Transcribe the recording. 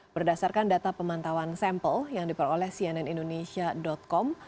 berdasarkan data pemantauan sampel yang diperoleh cnnindonesia com